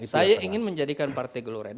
saya ingin menjadikan partai gelora ini